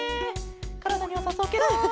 からだによさそうケロ。